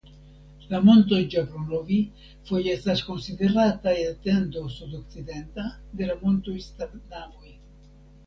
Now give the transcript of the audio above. La montoj Ĝablonovi foje estas konsiderataj etendo sudokcidenta de la montoj Stanavoj.